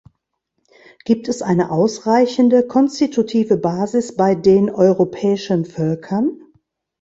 Gibt es eine ausreichende konstitutive Basis bei den europäischen Völkern?